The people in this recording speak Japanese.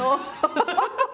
ハハハハ！